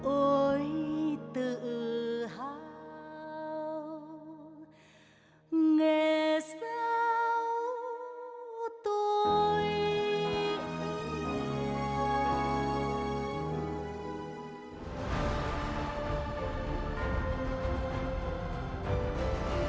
ôi tự hào người giáo tôi yêu